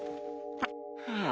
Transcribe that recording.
はあ